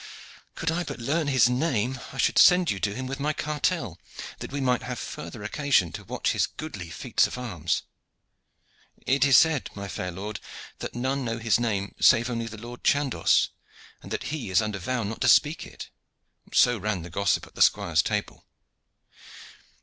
Could I but learn his name, I should send you to him with my cartel, that we might have further occasion to watch his goodly feats of arms." "It is said, my fair lord, that none know his name save only the Lord Chandos, and that he is under vow not to speak it. So ran the gossip at the squires' table."